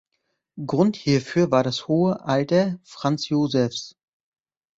Grund hierfür war das hohe alter Franz Josephs.